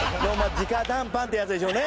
直談判ってやつでしょうね。